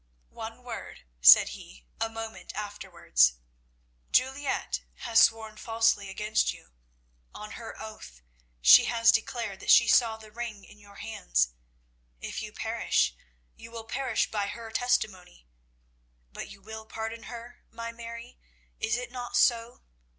"One word," said he, a moment afterwards; "Juliette has sworn falsely against you. On her oath she has declared that she saw the ring in your hands. If you perish, you will perish by her testimony. But you will pardon her, my Mary is it not so?